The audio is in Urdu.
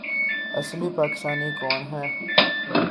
اصلی پاکستانی کون ہے